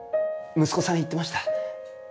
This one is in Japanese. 息子さん言ってました。